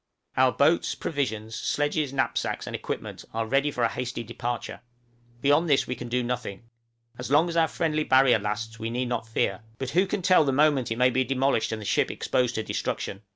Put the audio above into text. Our boats, provisions, sledges, knapsacks, and equipment are ready for a hasty departure, beyond this we can do nothing; as long as our friendly barrier lasts we need not fear, but who can tell the moment it may be demolished, and the ship exposed to destruction?